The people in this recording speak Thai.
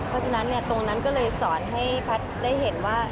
เพราะฉะนั้นตรงนั้นก็เลยสอนให้แพทย์ได้เห็นว่า